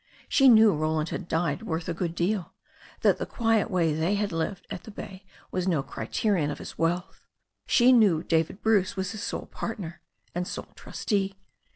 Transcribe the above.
She knew Roland had died worth a good deal, that the quiet way they had lived at the bay was no cri terion of his wealth. She knew David Bruce was his sole partner and sole trustee.